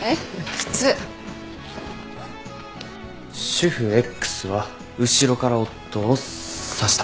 主婦Ｘは後ろから夫を刺した。